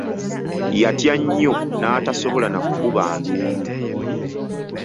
Yatya nnyo n'atasobola na kukuba nduulu.